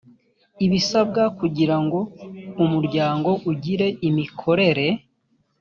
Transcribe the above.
ibisabwa kugira ngo umuryango ugire imikorere